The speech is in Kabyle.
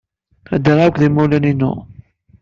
Ddreɣ akked yimawlan-inu.